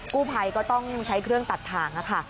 กู้ภัยก็ต้องใช้เครื่องตัดทางค่ะ